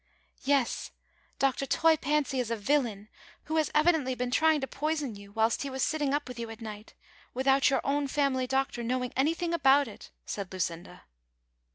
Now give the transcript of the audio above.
" Yes, Dr. Toy Fancy is a villain, \Yho has evidently been trying to poison you whilst he was sitting up Avith you at night, without your own family doctor knowing anything about it," said Ijucinda.